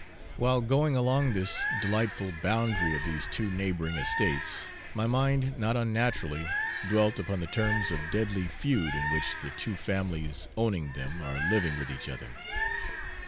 While going along this delightful boundary of these two neighbouring estates, my mind not unnaturally dwelt upon the terms of deadly feud in which the two families owning them are living with each other.